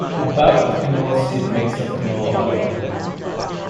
About of canola seed makes of canola oil.